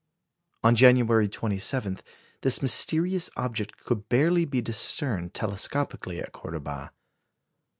On January 27, this mysterious object could barely be discerned telescopically at Cordoba.